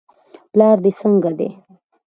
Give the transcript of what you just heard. پلار دې څنګه دی.